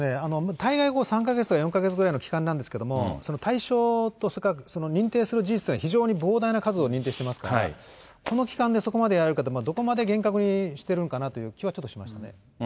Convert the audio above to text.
大概、３か月か４か月ぐらいの期間なんですけれども、その対象とそれから認定する事実というのは、非常に膨大な数を認定してますから、この期間でそこまでやれるかって、どこまで厳格にしてるのかなという気はちょっとしましたね。